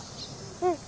うん。